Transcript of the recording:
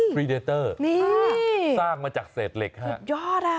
เฮ้ยนี่สร้างมาจากเศษเหล็กครับสุดยอด